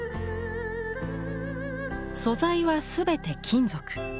素材は全て金属。